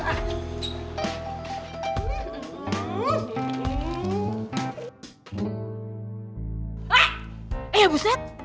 eh ya buset